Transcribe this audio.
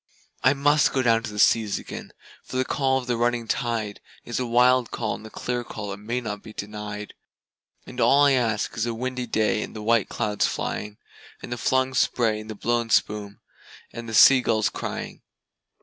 I must down go to the seas again, for the call of the running tide Is a wild call and a clear call that may not be denied; And all I ask is a windy day with the white clouds flying, And the flung spray and the blown spume, and the sea gulls crying.